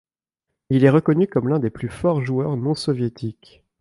Il est reconnu comme l'un des plus forts joueurs non-soviétiques.